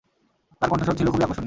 তার কণ্ঠস্বর ছিল খুবই আকর্ষণীয়।